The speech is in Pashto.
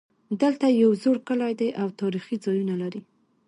دلته یو زوړ کلی ده او تاریخي ځایونه لري